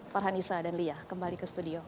farhan isa dan lia kembali ke studio